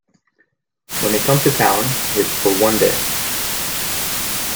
When they come to town, it's for one day.